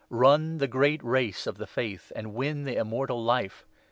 Run the great race of the 12 Faith, and win the Immortal Life.